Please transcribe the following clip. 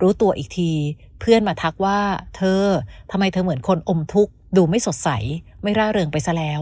รู้ตัวอีกทีเพื่อนมาทักว่าเธอทำไมเธอเหมือนคนอมทุกข์ดูไม่สดใสไม่ร่าเริงไปซะแล้ว